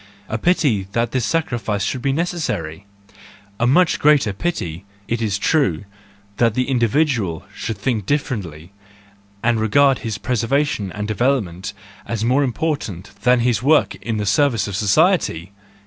A pity that this sacrifice should be necessary ! A much greater pity, it is true, if the individual should think differ¬ ently, and regard his preservation and development as more important than his work in the service of society!